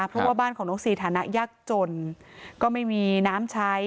เพราะว่าบ้านของน้องซีฐานะยากจนก็ไม่มีน้ำใช้